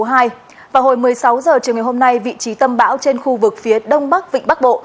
vào hồi một mươi sáu h chiều ngày hôm nay vị trí tâm bão trên khu vực phía đông bắc vịnh bắc bộ